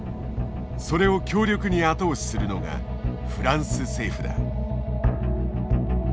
それを強力に後押しするのがフランス政府だ。